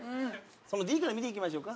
そのＤから見ていきましょうか？